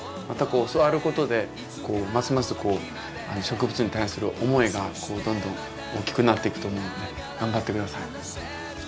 またこう教わることでますます植物に対する思いがどんどん大きくなっていくと思うので頑張って下さい。